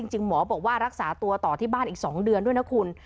หมอบอกว่ารักษาตัวต่อที่บ้านอีก๒เดือนด้วยนะคุณ